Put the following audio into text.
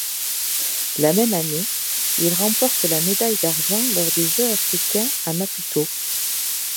La même année, il remporte la médaille d'argent lors des Jeux africains à Maputo.